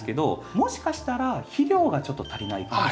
もしかしたら肥料がちょっと足りないかもしれない。